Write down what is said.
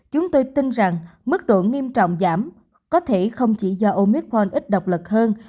chúng tôi tin rằng mức độ nghiêm trọng giảm có thể không chỉ do omicron ít độc lực hơn